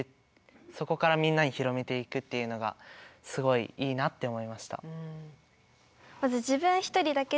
そこからみんなに広めていくっていうのがすごいいいなって思いました。